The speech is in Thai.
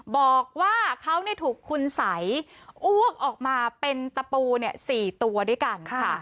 บอกว่าเขาถูกคุณสัยอ้วกออกมาเป็นตะปู๔ตัวด้วยกันค่ะ